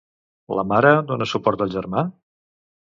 La mare dona suport al germà?